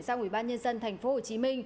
sang ủy ban nhân dân tp hcm